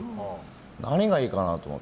何がいいかなと思って。